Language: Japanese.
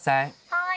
・はい。